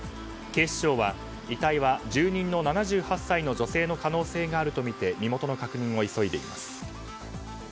警視庁は遺体は住人の７８歳の女性の可能性があるとみて身元の確認を急いでいます。